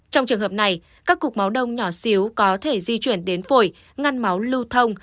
trong trường hợp này các cục máu đông nhỏ xíu có thể di chuyển đến phổi ngăn máu lưu thông